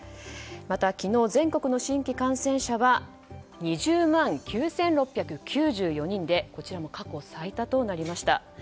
また、昨日全国の新規感染者は２０万９６９４人でこちらも過去最多となりました。